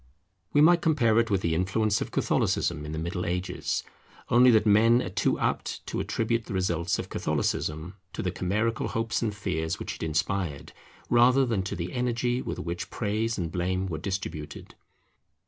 We might compare it with the influence of Catholicism in the Middle Ages, only that men are too apt to attribute the results of Catholicism to the chimerical hopes and fears which it inspired, rather than to the energy with which praise and blame were distributed.